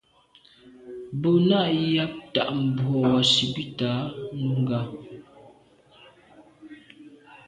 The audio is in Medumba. Bú nâ' yɑ́p tà' mbrò wàsìbìtǎ Nùnga.